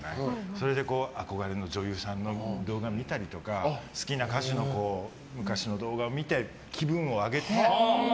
それで憧れの女優さんの動画を見たりとか好きな歌手の昔の動画を見て気分を上げて。